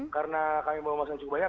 karena kami membawa massa yang cukup banyak